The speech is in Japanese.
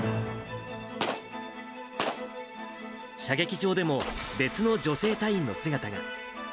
射撃場でも別の女性隊員の姿が。